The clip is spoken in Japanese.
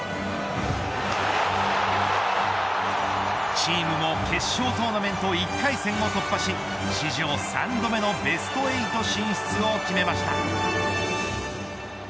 チームも決勝トーナメント１回戦を突破し史上３度目のベスト８進出を決めました。